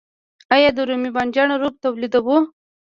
آیا د رومي بانجان رب تولیدوو؟